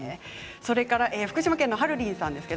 それから福島県の方です。